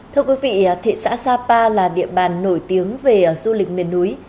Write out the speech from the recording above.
thưa quý vị thị xã sapa là địa bàn nổi tiếng về du lịch miền núi